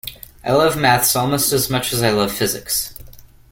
I love maths almost as much as I love physics